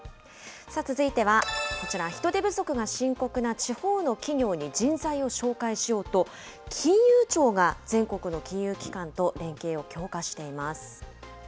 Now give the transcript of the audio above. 続いてはこちら、人手不足が深刻な地方の企業に人材を紹介しようと、金融庁が全国の金融機関と連携を強化しています。